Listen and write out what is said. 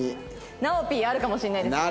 ナオピーあるかもしれないですね。